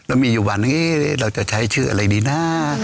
แล้วมีอยู่วันหนึ่งเราจะใช้ชื่ออะไรดีนะ